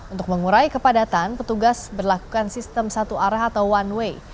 untuk mengurai kepadatan petugas berlakukan sistem satu arah atau one way